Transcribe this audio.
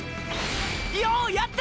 ようやった！！